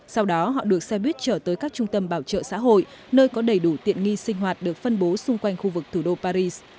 sau đó họ được xe buýt trở tới các trung tâm bảo trợ xã hội nơi có đầy đủ tiện nghi sinh hoạt được phân bố xung quanh khu vực thủ đô paris